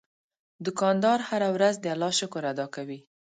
دوکاندار هره ورځ د الله شکر ادا کوي.